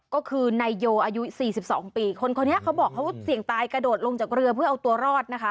ก็คือนายโยอายุ๔๒ปีคนคนนี้เขาบอกเขาเสี่ยงตายกระโดดลงจากเรือเพื่อเอาตัวรอดนะคะ